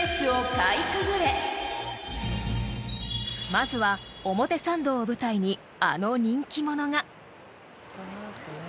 ［まずは表参道を舞台にあの人気者が］